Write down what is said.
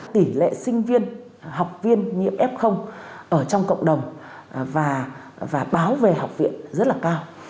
tỷ lệ sinh viên học viên nhiễm f ở trong cộng đồng và báo về học viện rất là cao